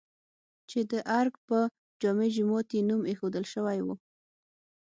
چې د ارګ په جامع جومات یې نوم ايښودل شوی و؟